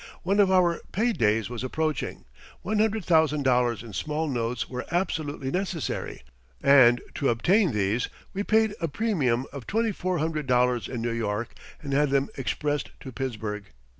One of our pay days was approaching. One hundred thousand dollars in small notes were absolutely necessary, and to obtain these we paid a premium of twenty four hundred dollars in New York and had them expressed to Pittsburgh.